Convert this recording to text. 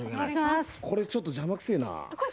これ、ちょっと邪魔くせえな。